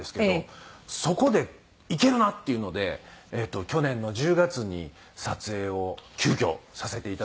そこでいけるな！っていうので去年の１０月に撮影を急遽させていただいて。